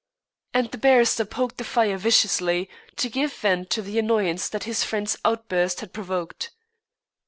And the barrister poked the fire viciously to give vent to the annoyance that his friend's outburst had provoked.